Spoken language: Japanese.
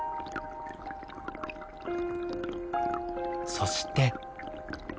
そして。